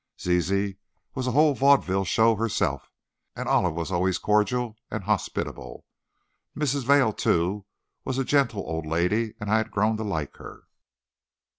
Zizi was a whole vaudeville show herself, and Olive was always cordial and hospitable. Mrs. Vail, too, was a gentle old lady, and I had grown to like her.